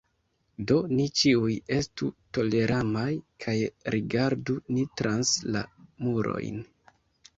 Do ni ĉiuj estu toleremaj kaj rigardu ni trans la murojn!